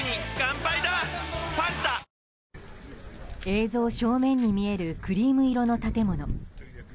映像正面に見えるクリーム色の建物。